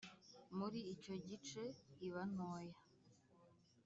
muri icyo gice iba ntoya